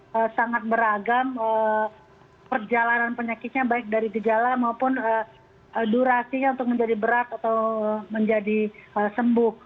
karena sangat beragam perjalanan penyakitnya baik dari gejala maupun durasinya untuk menjadi berat atau menjadi sembuh